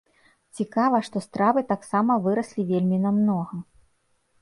Цікава, што стравы таксама выраслі вельмі намнога.